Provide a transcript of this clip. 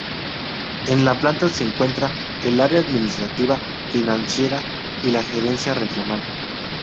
En la planta se encuentra el área administrativa financiera y la Gerencia Regional.